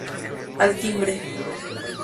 Al timbre.